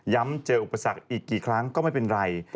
เจออุปสรรคอีกกี่ครั้งก็ไม่เป็นไร